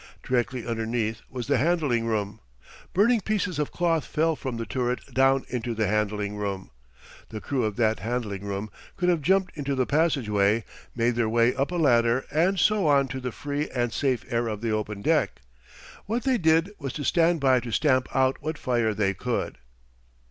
Directly underneath was the handling room. Burning pieces of cloth fell from the turret down into the handling room. The crew of that handling room could have jumped into the passageway, made their way up a ladder, and so on to the free and safe air of the open deck. What they did was to stand by to stamp out what fire they could.